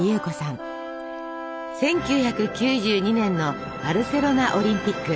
１９９２年のバルセロナオリンピック。